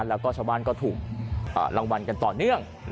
แล้วก็ชาวบ้านก็ถูกรางวัลกันต่อเนื่อง